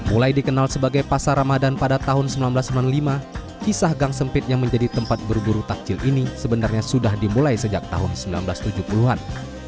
mulai dikenal sebagai pasar ramadan pada tahun seribu sembilan ratus sembilan puluh lima kisah gang sempit yang menjadi tempat berburu takjil ini sebenarnya sudah dimulai sejak tahun seribu sembilan ratus tujuh puluh an